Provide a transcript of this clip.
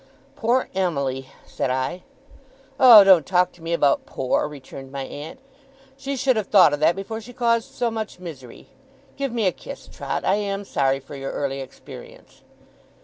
'Poor Emily!' said I. 'Oh, don't talk to me about poor,' returned my aunt. 'She should have thought of that, before she caused so much misery! Give me a kiss, Trot. I am sorry for your early experience.